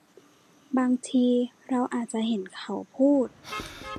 บางที เราอาจจะเห็นเขาพูด